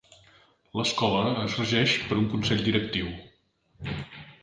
L'escola es regeix per un consell directiu.